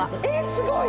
すごい！